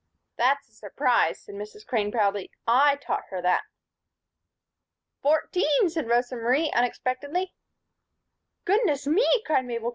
"That's a surprise," said Mrs. Crane, proudly. "I taught her that." "Fourteen," said Rosa Marie, unexpectedly. "Goodness me!" cried Mabel.